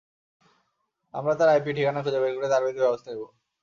আমরা তাঁর আইপি ঠিকানা খুঁজে বের করে তার বিরুদ্ধে ব্যবস্থা নেব।